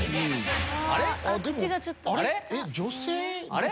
あれ？